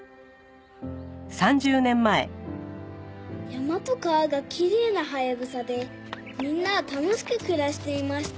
「山と川がきれいなハヤブサでみんなは楽しく暮らしていました」